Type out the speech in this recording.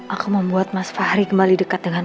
aku mau buat mas fahri kembali dekat dengan